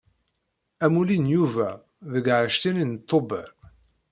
Amulli n Yuba deg ɛecrin Tubeṛ.